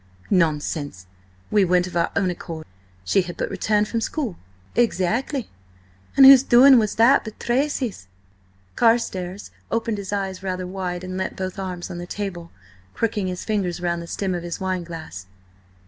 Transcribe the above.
"Nonsense! We went of our own accord. She had but returned from school." "Exactly. And whose doing was that but Tracy's?" Carstares opened his eyes rather wide and leant both arms on the table, crooking his fingers round the stem of his wine glass.